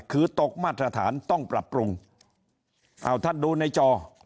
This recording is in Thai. คือตกมาตรฐานต้องปรับปรุงเอาท่านดูในจอ